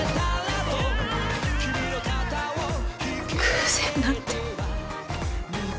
偶然なんて。